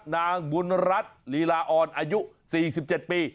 นางบุญรัฐลีลาออนอายุ๔๗ปี